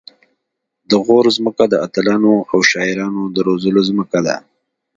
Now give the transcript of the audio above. د غور ځمکه د اتلانو او شاعرانو د روزلو ځمکه ده